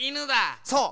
そう。